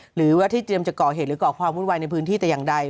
หรือว่าที่เตรียมจะก่อเหตุหรือก่อความวุ่นวายในพื้นที่แต่อย่างใด